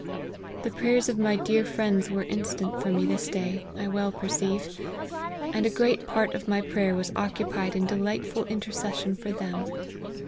The prayers of my dear friends were instant for me this day, I well perceive : and a great part of my prayer was occupied in delight ful intercession for them.